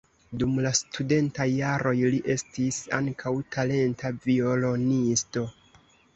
Dum la studentaj jaroj li estis ankaŭ talenta violonisto.